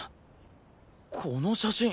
この写真。